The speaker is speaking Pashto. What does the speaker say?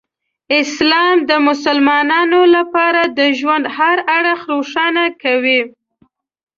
اسلام د مسلمانانو لپاره د ژوند هر اړخ روښانه کوي.